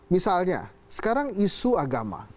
misalnya sekarang isu agama